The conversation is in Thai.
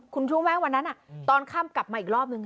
คุณรู้ไหมวันนั้นตอนค่ำกลับมาอีกรอบนึง